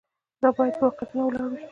دا باید په واقعیتونو ولاړ وي.